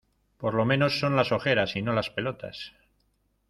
por lo menos son las ojeras y no las pelotas